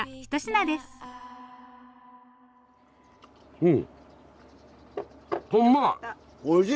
うん！